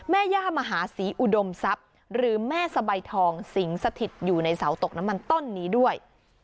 แม่ย่ามหาศรีอุดมทรัพย์หรือแม่สะใบทองสิงสถิตอยู่ในเสาตกน้ำมันต้นนี้ด้วย